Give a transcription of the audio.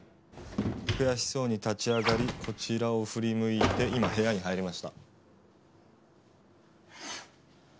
悔しそうに立ち上がりこちらを振り向いて今部屋に入りました。